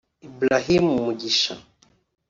Ibrahim Mugisha